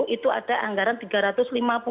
itu ada anggaran tiga ratus lima puluh sembilan tujuh m